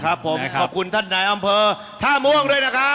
ครับผมขอบคุณท่านนายอำเภอท่าม่วงด้วยนะครับ